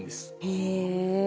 へえ。